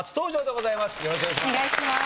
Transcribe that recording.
よろしくお願いします。